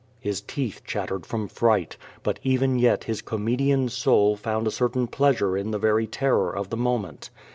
His teeth chattered from fright, but even j|et his comedian soul found a certain pleasure in the very t0m)r of the moment.